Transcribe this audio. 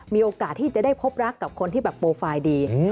มีโอกาสที่จะได้พบรักกับคนที่แบบโปรไฟล์ดี